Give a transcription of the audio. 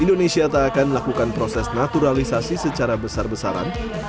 indonesia tak akan melakukan proses naturalisasi secara besar besaran